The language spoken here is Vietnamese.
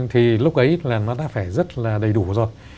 thì lúc ấy là nó đã phải rất là đầy đủ rồi